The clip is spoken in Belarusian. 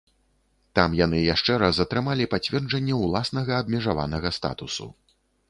Там яны яшчэ раз атрымалі пацверджанне ўласнага абмежаванага статусу.